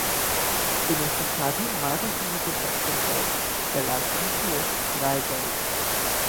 তিনি একটি স্বাধীন মারাঠা সাম্রাজ্যের পত্তন করেন, যার রাজধানী ছিল রায়গড়ে।